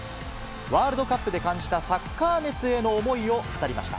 ワールドカップで感じたサッカー熱への思いを語りました。